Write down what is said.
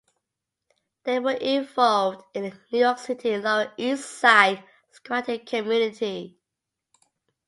They were involved in the New York City Lower East Side squatting community.